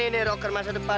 eh buat rocker masa depan